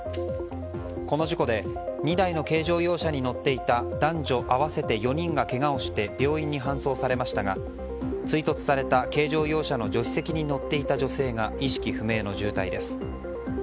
この事故で２台の軽乗用車に乗っていた男女合わせて４人がけがをして病院に搬送されましたが追突された軽乗用車の助手席に乗っていた女性が意識不明の重体です。